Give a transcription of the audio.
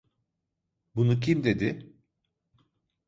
Bunu kim dedi?